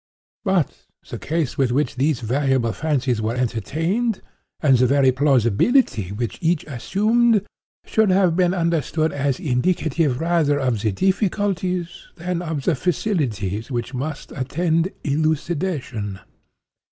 But the case with which these variable fancies were entertained, and the very plausibility which each assumed, should have been understood as indicative rather of the difficulties than of the facilities which must attend elucidation.